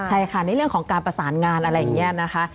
ใช่ค่ะในเรื่องของการประสานงานอะไรอย่างนี้นะคะ